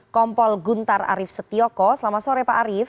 kompol guntar arief setioko selamat sore pak arief